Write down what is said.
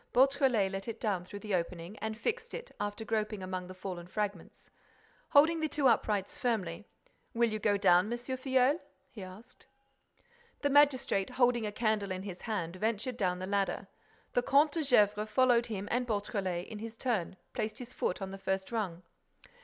Beautrelet let it down through the opening and fixed it, after groping among the fallen fragments. Holding the two uprights firmly: "Will you go down, M. Filleul?" he asked. The magistrate, holding a candle in his hand, ventured down the ladder. The Comte de Gesvres followed him and Beautrelet, in his turn, placed his foot on the first rung.